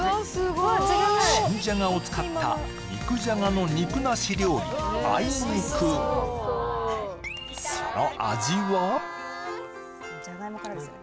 新じゃがを使った肉じゃがの肉なし料理「あいにく」じゃがいもからですよ